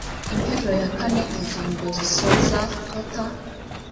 interuro ya kane ingingo zisoza tota